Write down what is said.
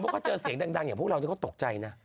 เพราะว่าเสียงดังอย่างพวกเราเขาตกใจนะ